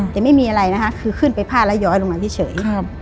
แต่ไม่มีอะไรนะคะคือขึ้นไปผ้าแล้วย้อยลงมาเฉย